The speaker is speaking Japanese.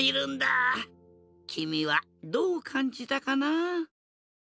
きみはどうかんじたかな？